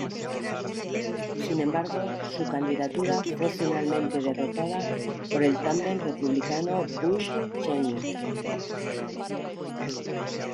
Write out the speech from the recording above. Sin embargo, su candidatura fue finalmente derrotada por el tándem republicano Bush-Cheney.